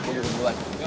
gue juga duluan